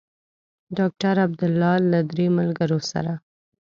ډاکټر عبدالله له درې ملګرو سره.